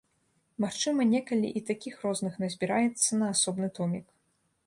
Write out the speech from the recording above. Магчыма, некалі і такіх розных назбіраецца на асобны томік.